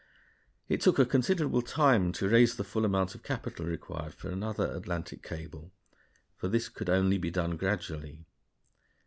It took a considerable time to raise the full amount of capital required for another Atlantic cable, for this could only be done gradually.